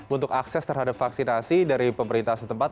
untuk akses terhadap vaksinasi dari pemerintah setempat